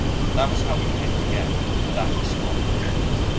That was how we came to get that Spot.